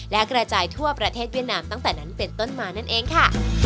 และกระจายทั่วประเทศเวียดนามตั้งแต่นั้นเป็นต้นมานั่นเองค่ะ